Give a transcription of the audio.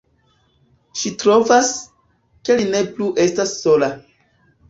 Ŝi trovas, ke li ne plu estas sola.